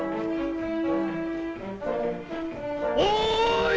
おい！